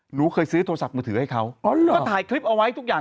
หนูเคยซื้อโทรศัพท์มือถือให้เขาก็ถ่ายคลิปเอาไว้ทุกอย่าง